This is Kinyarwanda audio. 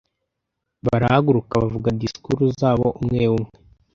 Barahaguruka bavuga disikuru zabo umwe umwe.